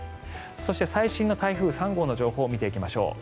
そして、最新の台風３号の情報を見ていきましょう。